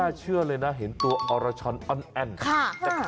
ไม่น่าเชื่อเลยนะเห็นตัวออรชรออนแอนด์